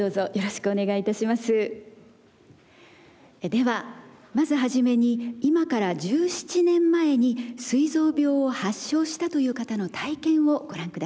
ではまず初めに今から１７年前にすい臓病を発症したという方の体験をご覧下さい。